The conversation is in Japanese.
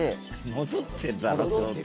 戻ってるだろ相当。